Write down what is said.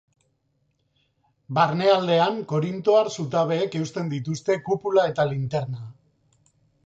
Barnealdean korintoar zutabeek eusten dituzte kupula eta linterna.